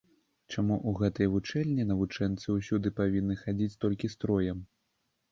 Чаму ў гэтай вучэльні навучэнцы ўсюды павінны хадзіць толькі строем?